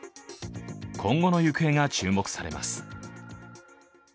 今後の行方が注目されます。